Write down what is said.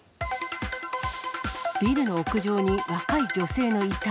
ビルの屋上に若い女性の遺体。